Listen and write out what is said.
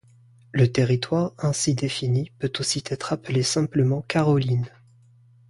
Le territoire ainsi défini peut aussi être appelé simplement Caroline.